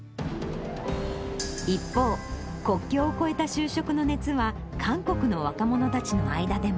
一方、国境を越えた就職の熱は、韓国の若者たちの間でも。